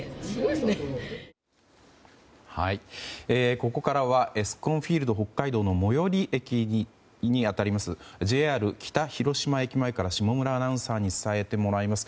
ここからはエスコンフィールドＨＯＫＫＡＩＤＯの最寄り駅に当たりますＪＲ北広島駅前から下村アナウンサーに伝えてもらいます。